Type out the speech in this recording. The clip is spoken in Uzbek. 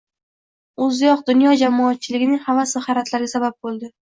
O‘ziyoq dunyo jamoatchiligining havas va hayratlariga sabab bo‘ldi.